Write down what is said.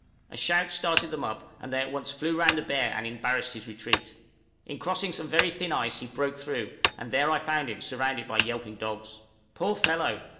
A shout started them up, and they at once flew round the bear and embarrassed his retreat. In crossing some very thin ice he broke through, and there I found him surrounded by yelping dogs. Poor fellow!